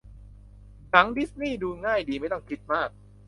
หนังดิสนีย์ ดูง่ายดี ไม่ต้องคิดมาก